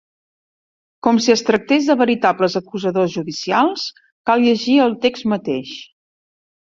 Com si es tractés de veritables acusadors judicials, cal llegir el text mateix.